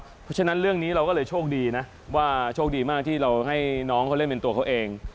เพราะฉะนั้นเรื่องนี้เราก็เลยโชคดีนะว่าโชคดีมากที่เราให้น้องเขาเล่นเป็นตัวเขาเอง